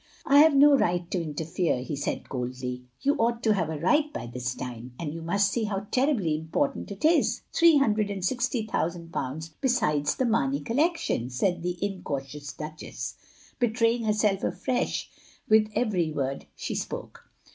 "I have no right to interfere," he said coldly. " You ought to have a right by this time. And you mtist see how terribly important it is. Three hundred and sixty thousand pounds besides the Mamey collection, " said the incautious Duchess, betraying herself afresh with every word she spoke.